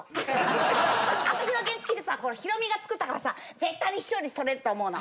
私の原付ってさヒロミが作ったからさ絶対に視聴率とれると思うの。